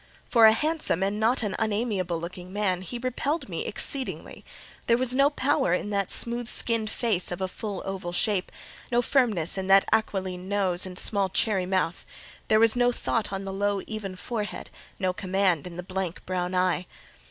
For a handsome and not an unamiable looking man, he repelled me exceedingly: there was no power in that smooth skinned face of a full oval shape: no firmness in that aquiline nose and small cherry mouth; there was no thought on the low, even forehead; no command in that blank, brown eye.